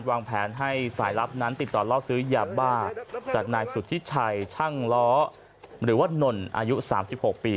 วางแผนให้สายลับนั้นติดต่อล่อซื้อยาบ้าจากนายสุธิชัยช่างล้อหรือว่านนอายุ๓๖ปี